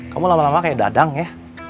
kamu lama lama kayak dadang ya